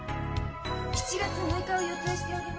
７月６日を予定しております。